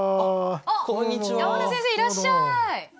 あっ山根先生いらっしゃい！